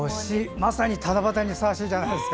まさに七夕にふさわしいじゃないですか。